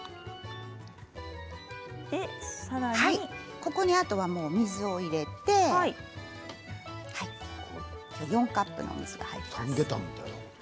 ここに、あとは水を入れて４カップのお水が入ります。